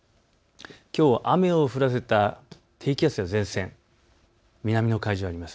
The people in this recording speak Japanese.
きょう雨を降らせた低気圧、前線、南の海上にいます。